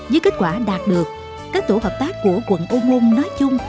với kết quả đạt được các tổ hợp tác của quận âu ngôn nói chung